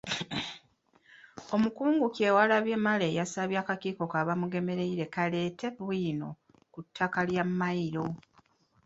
Omukungu Kyewalabye Male yasabye akakiiko ka Bamugemereire kaleete bwino ku ttaka lya Mmayiro.